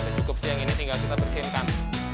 cukup siang ini tinggal kita persiapkan